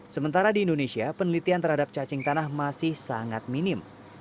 sementara di indonesia penelitian terhadap cacing tanah masih sangat minim